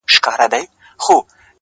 او خبرو باندي سر سو’